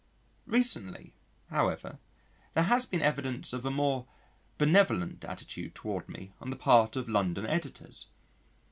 Recently, however, there has been evidence of a more benevolent attitude towards me on the part of London editors.